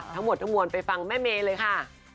ทั้งหมดทั้งมวลไปฟังแม่เมย์เลยค่ะ